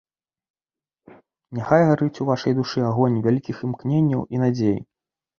Няхай гарыць у вашай душы агонь вялікіх імкненняў і надзей.